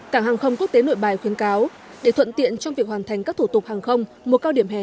cảng hàng không quốc tế nội bài khuyến cáo để thuận tiện trong việc hoàn thành các thủ tục hàng không mùa cao điểm hè hai nghìn hai mươi